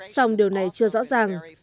xong điều này chưa rõ ràng